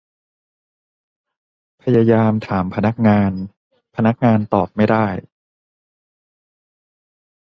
พยายามถามพนักงาน พนักงานตอบไม่ได้